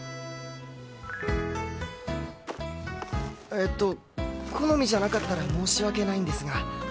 えっと好みじゃなかったら申し訳ないんですが。